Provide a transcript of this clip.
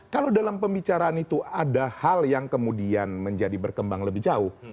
kalau dalam pembicaraan itu ada hal yang kemudian menjadi berkembang lebih jauh